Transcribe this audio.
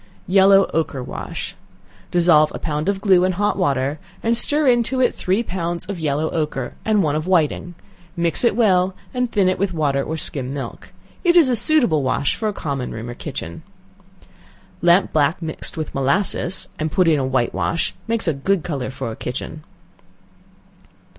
Yellow Ochre wash. Dissolve a pound of glue in hot water, and stir into it three pounds of yellow ochre, and one of whiting; mix it well, and thin it with water or skim milk. It is a suitable wash for a common room or kitchen. Lamp black mixed with molasses, and put in white wash, makes a good color for a kitchen.